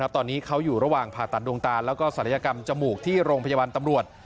ตอนนี้เขาอยู่ระหว่างผ่าตัดดวงตาแล้วก็ศัลยกรรมจมูกที่โรงพยาบาลตำรวจ